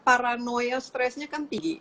paranoia stressnya kan tinggi